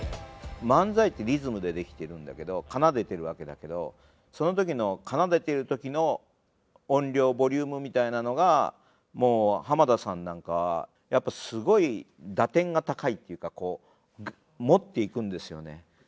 漫才ってリズムで出来てるんだけど奏でてるわけだけどその時の奏でてる時の音量ボリュームみたいなのがもう浜田さんなんかはやっぱすごい打点が高いっていうかこう持っていくんですよね。